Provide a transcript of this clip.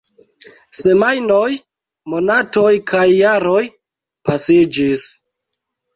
Semajnoj, monatoj, kaj jaroj pasiĝis.